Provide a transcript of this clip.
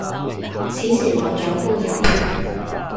此時我左顧右盼